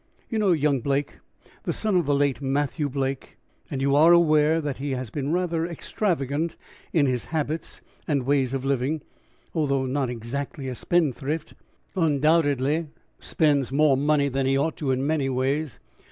"You know young Blake, the son of the late Mathew Blake, and you are aware that he has been rather extravagant in his habits and ways of living, and although not exactly a spendthrift, undoubtedly spends more money than he ought to in many ways.